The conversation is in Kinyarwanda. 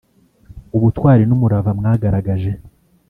ubutwali n’umurava mwagaragaje